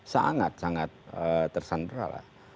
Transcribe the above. sangat sangat tersandra lah